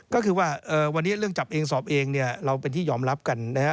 ก็คือว่าวันนี้เรื่องจับเองสอบเองเนี่ยเราเป็นที่ยอมรับกันนะฮะ